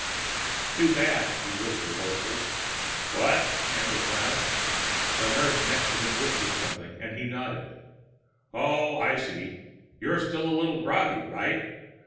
"Too bad," he whispered hopelessly. "What?" Haendl frowned. The nurse next to him whispered something and he nodded. "Oh, I see. You're still a little groggy, right?